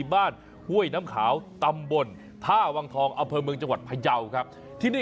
บ้านห้วยน้ำขาวตำบลท่าวังทองอำเภอเมืองจังหวัดพยาวครับที่นี่